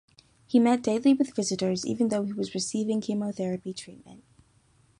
He met daily with visitors, even though he was receiving chemotherapy treatment.